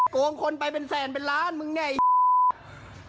โกงคนไปเป็นแสนเป็นล้านมึงเนี่ย